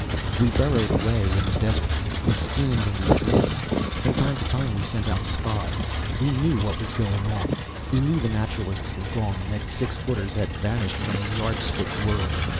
"We burrowed away in the desert. We schemed and we dreamed. From time to time we sent out spies. We knew what was going on. We knew the Naturalists were gone, that six footers had vanished from a Yardstick world.